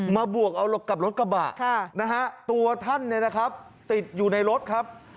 บวกเอากับรถกระบะนะฮะตัวท่านเนี่ยนะครับติดอยู่ในรถครับ